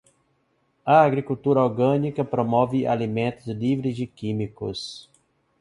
A agricultura orgânica promove alimentos livres de químicos.